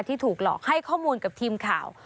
ที่ถูกหลอกให้ข้อมูลกับทีมข่าว